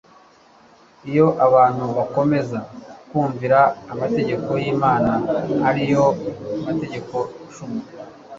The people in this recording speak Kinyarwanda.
Iyo abantu bakomeza kumvira amategeko yImana ari yo Mategeko Cumi